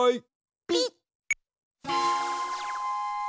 ピッ！